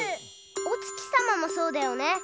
おつきさまもそうだよね。